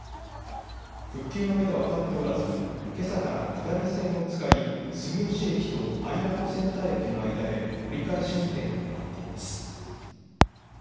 復旧のめどは立っておらずけさから下り線を使い住吉駅とアイランドセンター駅の間で折り返し運転を行っています。